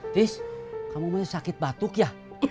tish kamu mau sakit batuk ya